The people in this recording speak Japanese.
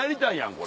これ。